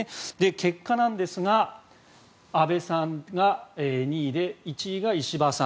結果なんですが安倍さんが２位で１位が石破さん。